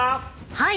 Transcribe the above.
はい。